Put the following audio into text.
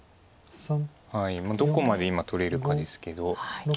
どこまで今取れるかですけど。